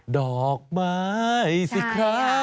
ดอกไม้สิครับ